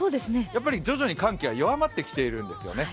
徐々に寒気が弱まってきているんですよね。